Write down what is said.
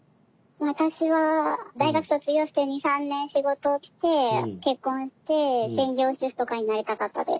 私は大学卒業して２３年仕事をして結婚して専業主婦とかになりたかったです。